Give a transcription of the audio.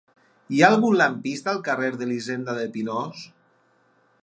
Hi ha algun lampista al carrer d'Elisenda de Pinós?